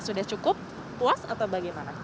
sudah cukup puas atau bagaimana